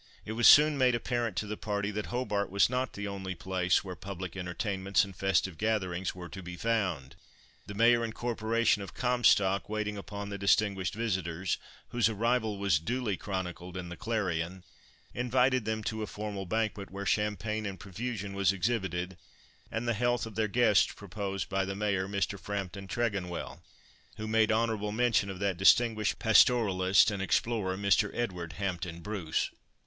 It was soon made apparent to the party that Hobart was not the only place where public entertainments and festive gatherings were to be found. The mayor and corporation of Comstock, waiting upon the distinguished visitors, whose arrival was duly chronicled in the Clarion, invited them to a formal banquet, where champagne in profusion was exhibited, and the health of their guests proposed by the mayor, Mr. Frampton Tregonwell, who made honourable mention of that distinguished pastoralist and explorer, Mr. Edward Hamilton Bruce.